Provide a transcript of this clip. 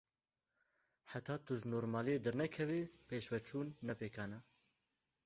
Heta tu ji normaliyê dernekevî, pêşveçûn ne pêkan e.